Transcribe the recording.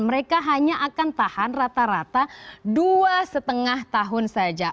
mereka hanya akan tahan rata rata dua lima tahun saja